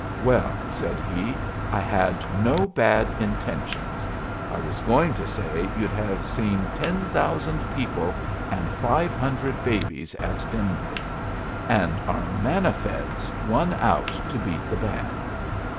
"Well," said he, "I had no bad intentions. I was going to say you'd have seen ten thousand people and five hundred babies at Denver. And our manna feds won out to beat the band.